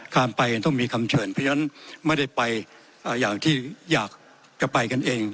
การไปต้องมีคำเชิญเพราะฉะนั้นไม่ได้ไปอย่างที่อยากจะไปกันเอง